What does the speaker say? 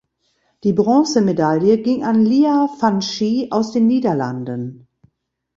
Die Bronzemedaille ging an Lia van Schie aus den Niederlanden.